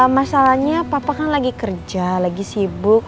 masalahnya papa kan lagi kerja lagi sibuk